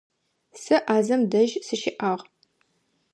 Сэ Ӏазэм дэжь сыщыӀагъ.